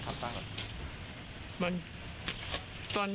ครับงั้น